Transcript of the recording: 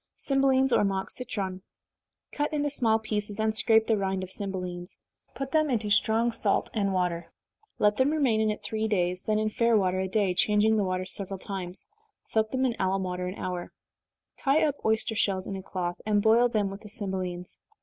321. Cymbelines, or Mock Citron. Cut into small pieces, and scrape the rind of cymbelines put them into strong salt and water let them remain in it three days, then in fair water a day, changing the water several times soak them in alum water an hour tie up oyster shells in a cloth, and boil them with the cymbelines.